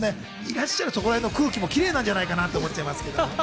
いらっしゃるそこらへんの空気もキレイなんじゃないかなと思っちゃいます。